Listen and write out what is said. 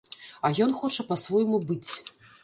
А ён хоча па-свойму быць.